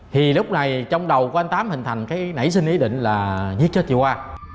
thì lúc này trong đầu của anh tám hình thành cái nảy sinh ý định là giết chết chị khoa